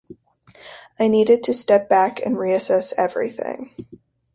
I needed to step back and reassess everything.